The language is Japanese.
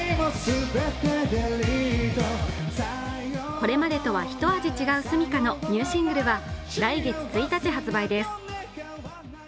これまでとはひと味違うｓｕｍｉｋａのニューシングルは来月１日発売です。